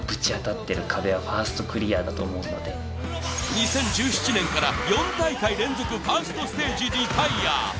２０１７年から４大会連続ファーストステージリタイア